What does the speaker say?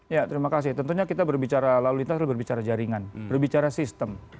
ya terima kasih tentunya kita berbicara lalu lintas berbicara jaringan berbicara sistem